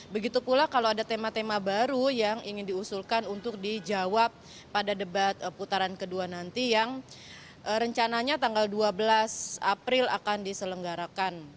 begitu pula kalau ada tema tema baru yang ingin diusulkan untuk dijawab pada debat putaran kedua nanti yang rencananya tanggal dua belas april akan diselenggarakan